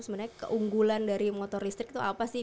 sebenarnya keunggulan dari motor listrik itu apa sih